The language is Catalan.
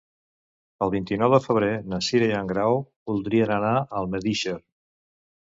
El vint-i-nou de febrer na Cira i en Grau voldrien anar a Almedíxer.